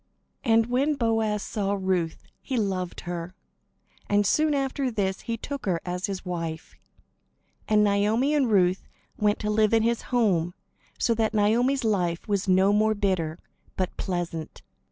And when Boaz saw Ruth, he loved her; and soon after this he took her as his wife. And Naomi and Ruth went to live in his home; so that Naomi's life was no more bitter, but pleasant.